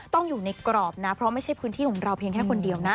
ต้องอยู่ในกรอบนะเพราะไม่ใช่พื้นที่ของเราเพียงแค่คนเดียวนะ